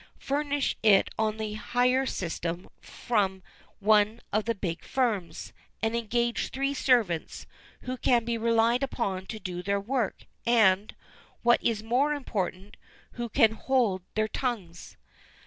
Furnish it on the hire system from one of the big firms, and engage three servants who can be relied upon to do their work and, what is more important, who can hold their tongues.